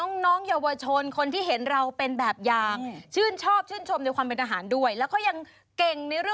อันนี้ยิ่งกว่ายอดย่านะยิ่งกว่าน้ำค้างอีก